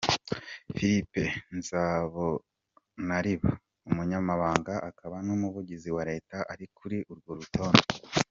Philippe Nzobonariba, umunyamabanga akaba n'umuvugizi wa reta ari kuri urwo rutonde.